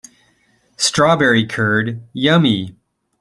Strawberry curd, yummy!